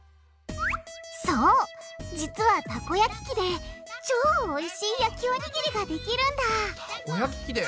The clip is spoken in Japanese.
そう実はたこ焼き器で超おいしい焼きおにぎりができるんだたこ焼き器で？